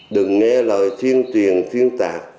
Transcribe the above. đừng nghe lời thiên tuyền thiên tạc